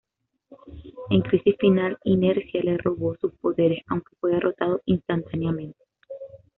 En Crisis Final, Inercia le robó sus poderes aunque fue derrotado instantáneamente.